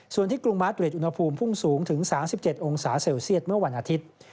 ส่วนที่กรุงมาร์ทเรดอุณหภูมิพุ่งสูงถึง๓๗องศาเซลเซียตเมื่อวันอาทิตย์